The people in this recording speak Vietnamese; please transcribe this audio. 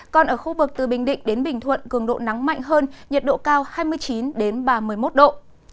còn ở khu vực từ bình định đến bình thuận cường độ nắng mạnh hơn nhiệt độ cao hai mươi chín ba mươi một độ